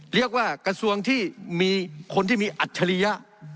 เรียกว่ากระทรวงที่มีคนที่มีอัจฉริยะ